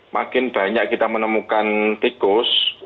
makin banyak kita menemukan tikus